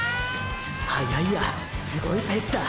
速いやすごいペースだ。